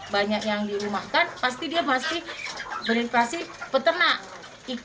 banyak yang dirumahkan pasti dia apasel berilfasi peternak ikan atau ayam kalau yang satu ini agak